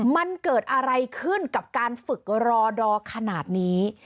มันเกิดอะไรขึ้นกับการฝึกรอดอขนาดนี้